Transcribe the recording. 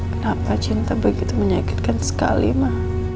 kenapa cinta begitu menyakitkan sekali mah